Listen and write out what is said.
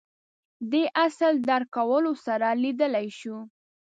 دې اصل درک کولو سره لیدلای شو